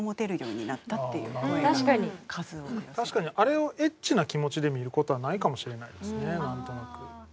確かにあれをエッチな気持ちで見ることはないかもしれないですね何となく。